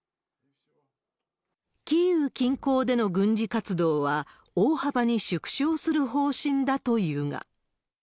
キーウ近郊での軍事活動は大幅に縮小する方針だというが。